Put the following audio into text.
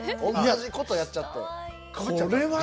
同じことやっちゃって。